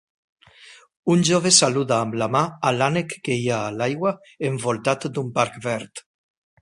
Un jove saluda amb la mà a l'ànec que hi ha a l'aigua envoltat d'un parc verd.